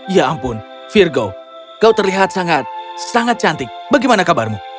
ya ampun virgo kau terlihat sangat sangat cantik bagaimana kabarmu